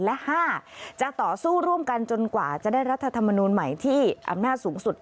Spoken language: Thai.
และ๕จะต่อสู้ร่วมกันจนกว่าจะได้รัฐธรรมนูลใหม่ที่อำนาจสูงสุด